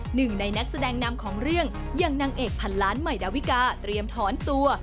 หนึ่งในนักแสดงนำของเรื่องอย่างนางเอกพันล้านใหม่ดาวิกาเตรียมถอนตัว